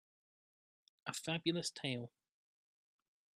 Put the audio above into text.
A Fabulous tale